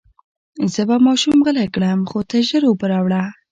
زه به ماشوم غلی کړم، خو ته ژر اوبه راوړه.